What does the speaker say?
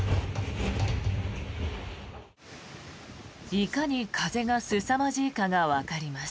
いかに風がすさまじいかがわかります。